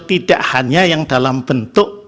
tidak hanya yang dalam bentuk